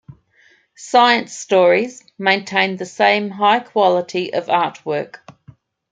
"Science Stories" maintained the same high quality of artwork.